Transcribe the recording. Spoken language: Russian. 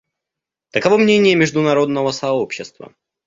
Таково мнение международного сообщества.